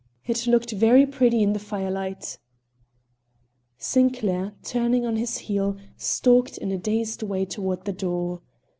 It looked very pretty in the firelight." Sinclair, turning on his heel, stalked in a dazed way toward the door.